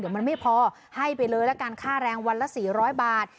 เดี๋ยวมันไม่พอให้ไปเลยละกันค่าแรงวันละ๔๐๐บาท